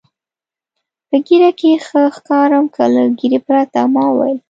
په ږیره کې ښه ښکارم که له ږیرې پرته؟ ما وویل.